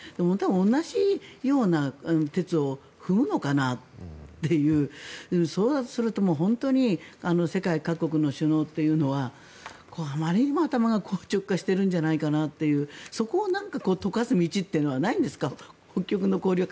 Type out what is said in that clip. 同じような轍を踏むのかなというそうだとすると世界各国の首脳というのはあまりにも頭が硬直化してるんじゃないかなというそこをなんか解かす道というのはないんですか？